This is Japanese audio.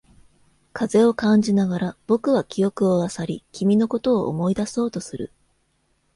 風を感じながら、僕は記憶を漁り、君のことを思い出そうとする。